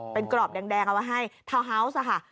อ๋อเป็นกรอบแดงเอามาให้เท้าเฮ้าส์อะค่ะ